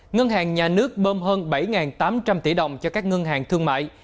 ngân hàng nhà nước bơm hơn bảy tám trăm linh tỷ đồng cho các ngân hàng thương mại